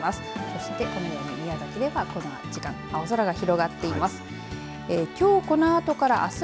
そしてこのあと宮崎ではこの時間大空が広がっています。